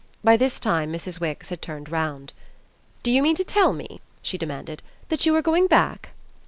By this time Mrs. Wix had turned round. "Do you mean to tell me," she demanded, "that you are going back?"